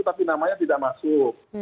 tapi namanya tidak masuk